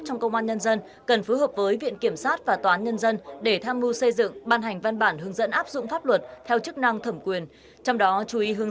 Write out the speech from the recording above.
trong công an nhân dân cần phối hợp với viện kiểm sát và toán nhân dân để tham mưu xây dựng